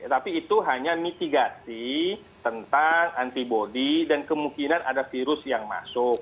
tapi itu hanya mitigasi tentang antibody dan kemungkinan ada virus yang masuk